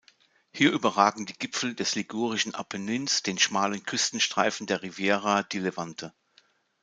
Hier überragen die Gipfel des Ligurischen Apennins den schmalen Küstenstreifen der Riviera di Levante.